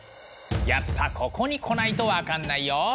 やっぱここに来ないと分かんないよ。